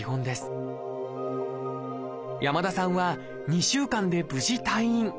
山田さんは２週間で無事退院。